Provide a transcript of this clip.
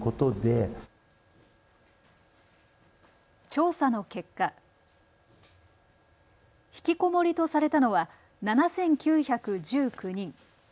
調査の結果、ひきこもりとされたのは７９１９人。